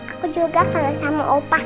aku juga kayak sama opa